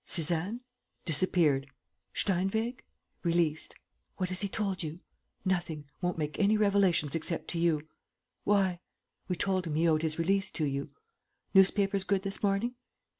"Suzanne?" "Disappeared." "Steinweg?" "Released." "What has he told you?" "Nothing. Won't make any revelations except to you." "Why?" "We told him he owed his release to you." "Newspapers good this morning?"